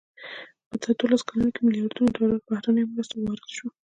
په دا دولسو کلونو کې ملیاردونو ډالرو بهرنیو مرستو ورود شو.